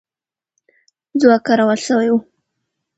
ځواک کارول سوی وو.